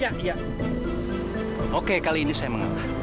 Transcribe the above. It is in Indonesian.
ya ya oke kali ini saya mengalah